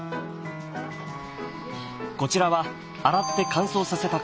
こちらは洗って乾燥させた米です。